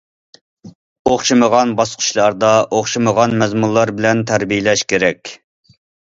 ئوخشىمىغان باسقۇچلاردا ئوخشىمىغان مەزمۇنلار بىلەن تەربىيەلەش كېرەك.